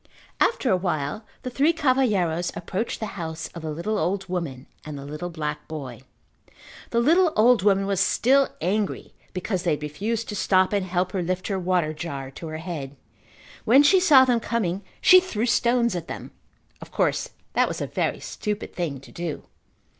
After a while the three cavalheiros approached the house of the little old woman and the little black boy. The little old woman was still angry because they had refused to stop and help her lift her water jar to her head. When she saw them coming she threw stones at them. Of course that was a very stupid thing to do.